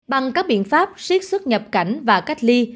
bằng các biện pháp siết xuất nhập cảnh và cách ly